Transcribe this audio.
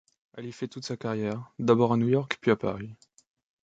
Elle y fait toute sa carrière, d'abord à New-York puis à Paris.